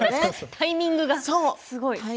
タイミングがすごい。